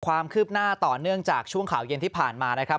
ความคืบหน้าต่อเนื่องจากช่วงข่าวเย็นที่ผ่านมานะครับ